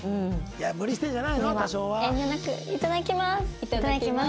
いただきます。